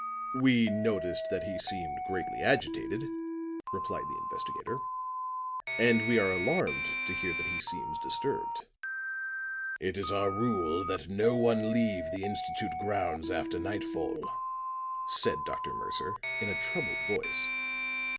"We noticed that he seemed greatly agitated," replied the investigator. "And we are alarmed to hear that he seems disturbed." "It is our rule that no one leave the institute grounds after nightfall," said Dr. Mercer, in a troubled voice.